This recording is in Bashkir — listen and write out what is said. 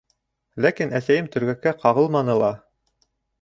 Ләкин әсәйем төргәккә ҡағылманы ла.